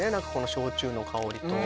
焼酎の香りと。